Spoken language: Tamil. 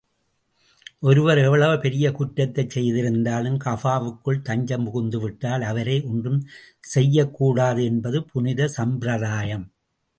ஒருவர் எவ்வளவு பெரிய குற்றத்தைச் செய்திருந்தாலும், கஃபாவுக்குள் தஞ்சம் புகுந்துவிட்டால், அவரை ஒன்றும் செய்யக்கூடாது என்பது புனித சம்பிரதாயம்.